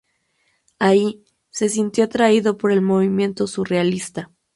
Ahí se sintió atraído por el movimiento surrealista.